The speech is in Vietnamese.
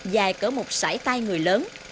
dài cỡ một sải tay người lớn